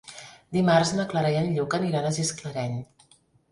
Dimarts na Clara i en Lluc aniran a Gisclareny.